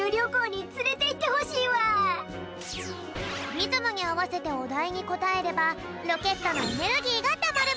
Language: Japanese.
リズムにあわせておだいにこたえればロケットのエネルギーがたまるぴょん。